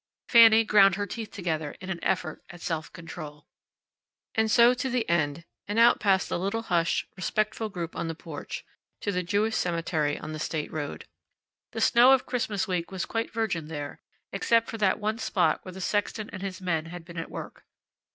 Fanny ground her teeth together in an effort at self control. And so to the end, and out past the little hushed, respectful group on the porch, to the Jewish cemetery on the state road. The snow of Christmas week was quite virgin there, except for that one spot where the sexton and his men had been at work.